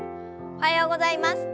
おはようございます。